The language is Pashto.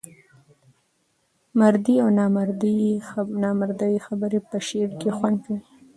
مردۍ او نامردۍ خبري په شعر کې خوند کوي.